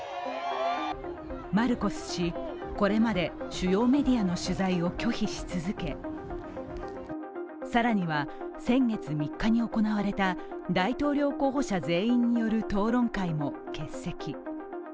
マルコス氏、これまで主要メディアの取材を拒否し続け、更には先月３日に行われた大統領候補者全員による討論会も欠席。